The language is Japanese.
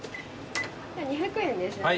２００円ですね。